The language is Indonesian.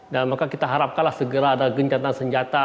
dan maka kita harapkanlah segera ada gencatan senjata